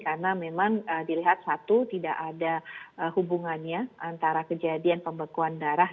karena memang dilihat satu tidak ada hubungannya antara kejadian pembekuan darah